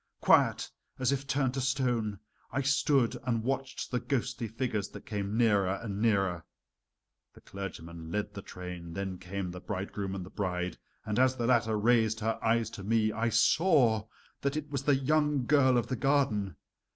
Quiet, as if turned to stone, I stood and watched the ghostly figures that came nearer and nearer. The clergyman led the train, then came the bridegroom and the bride, and as the latter raised her eyes to me I saw that it was the young girl of the garden.